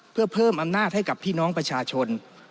เพื่อเพิ่มอำนาจให้กับพี่น้องประชาชน